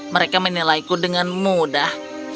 mereka menilaiku dengan mudah